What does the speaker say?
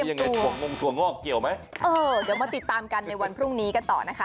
ยังไงถั่วงถั่วงอกเกี่ยวไหมเออเดี๋ยวมาติดตามกันในวันพรุ่งนี้กันต่อนะคะ